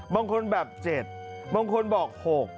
บางคนแบบ๗บางคนบอก๖